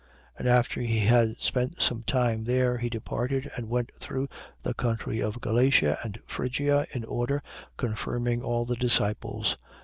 18:23. And after he had spent some time there, he departed and went through the country of Galatia and Phrygia, in order, confirming all the disciples.